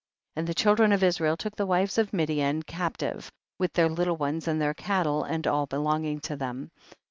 9. And the children of Israel took the wives of Midian captive, with their little ones and their cattle, and all belonging to them.